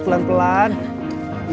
muter balik pelan pelan